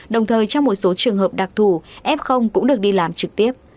đồng thời trong một số trường hợp đặc thù f cũng được đi làm trực tiếp